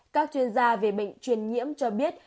các chuyên gia về bệnh truyền nhiễm cho biết